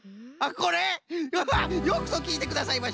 うわっよくぞきいてくださいました。